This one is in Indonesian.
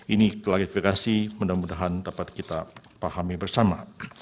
ini klarifikasi mudah mudahan dapat kita pahami bersama